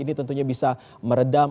ini tentunya bisa meredam